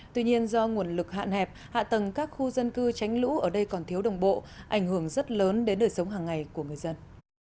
tuy nhiên do nguồn lực hạn hẹp hạ tầng các khu dân cư tránh lũ ở đây còn thiếu đồng bộ ảnh hưởng rất lớn đến đời sống hàng ngày của người dân